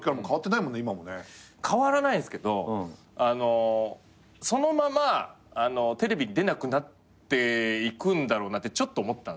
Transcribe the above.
変わらないんすけどそのままテレビに出なくなっていくんだろうなってちょっと思ってたんですよ。